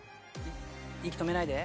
息止めないで。